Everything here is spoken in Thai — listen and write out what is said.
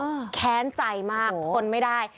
แค้นใจมากทนไม่ได้